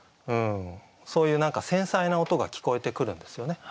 そういう何か繊細な音が聞こえてくるんですよね。